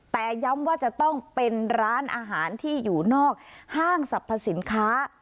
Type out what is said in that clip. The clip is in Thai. แต่ย้ำว่าจะต้องเป็นร้านอาหารที่อยู่นอกห้างสรรพสินค้า